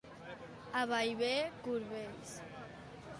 A Bellver, corbells.